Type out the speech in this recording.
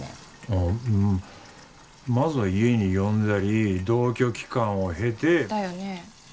ああうんまずは家に呼んだり同居期間をへてだよね